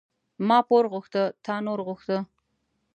ما پور غوښته تا نور غوښته.